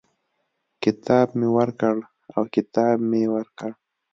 کتاب مي ورکړ او کتاب مې ورکړ.